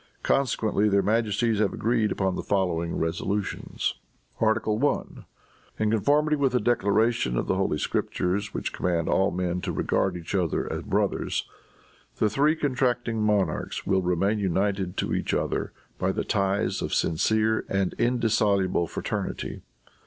Consequently their majesties have agreed upon the following resolutions: "Article I. In conformity with the declaration of the holy Scriptures, which command all men to regard each other as brothers, the three contracting monarchs will remain united to each other by the ties of sincere and indissoluble fraternity.